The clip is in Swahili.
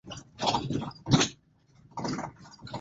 Ulishinda nyingine na wimbo mwingine ulishinda tuzo nyingine